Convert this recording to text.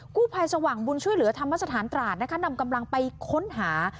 กู้ภัยสว่างบุญช่วยเหลือธรรมสถานตราดนะคะนำกำลังไปค้นหา